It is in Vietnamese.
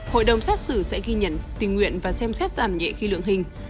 hội đồng xét xử sẽ ghi nhận tình nguyện và xem xét giảm nhẹ khi lượng hình